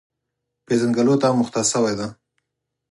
پېژنګلو ته مختص شوی دی،